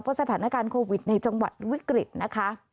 เพราะสถานการณ์โควิดในจังหวัดวิกฤตนะคะ